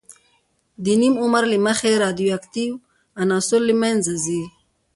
د نیم عمر له مخې رادیواکتیو عناصر له منځه ځي.